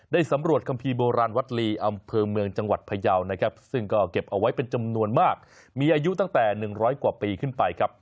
สำรวจคัมภีร์โบราณวัดลีอำเภอเมืองจังหวัดพยาวนะครับซึ่งก็เก็บเอาไว้เป็นจำนวนมากมีอายุตั้งแต่๑๐๐กว่าปีขึ้นไปครับ